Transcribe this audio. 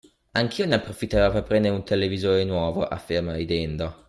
Anch'io ne approfitterò per prendere un televisore nuovo.” afferma ridendo.